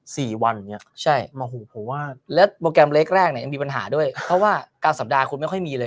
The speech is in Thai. สี่วันอย่างเงี้ยใช่โมโหผมว่าแล้วโปรแกรมเล็กแรกเนี่ยยังมีปัญหาด้วยเพราะว่ากลางสัปดาห์คุณไม่ค่อยมีเลย